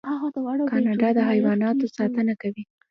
کاناډا د حیواناتو ساتنه کوي.